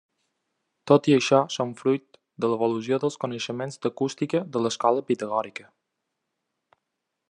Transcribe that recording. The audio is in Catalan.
Tot i això són fruit de l'evolució dels coneixements d'acústica de l'escola pitagòrica.